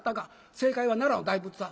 正解は奈良の大仏さん。